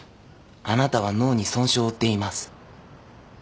あなたは脳に損傷を負っています。